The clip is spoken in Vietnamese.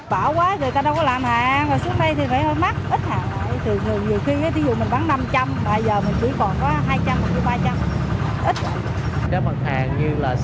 bão quá người ta đâu có làm hàng